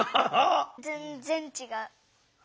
ぜんぜんちがう。